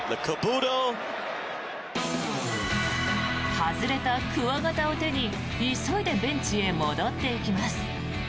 外れた鍬形を手に急いでベンチへ戻っていきます。